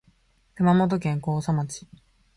熊本県甲佐町